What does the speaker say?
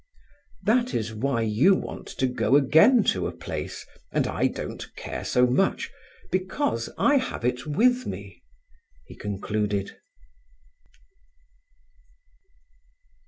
"That is why you want to go again to a place, and I don't care so much, because I have it with me," he concluded.